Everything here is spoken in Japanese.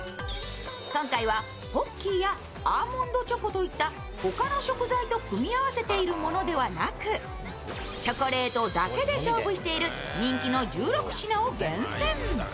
今回はポッキーやアーモンドチョコといったほかの食材と組み合わせているものじゃなくチョコレートだけで勝負している人気の１６品を厳選。